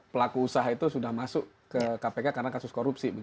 satu ratus tujuh puluh pelaku usaha itu sudah masuk ke kpk karena kasus korupsi